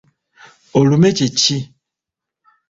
Olume kye ki?